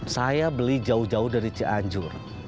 saya beli jauh jauh dari cianjur